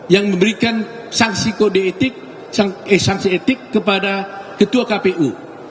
yang memberikan sanksi etik kepada ketua kpu